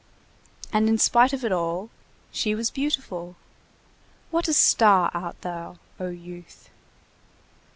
And in spite of it all, she was beautiful. What a star art thou, O youth!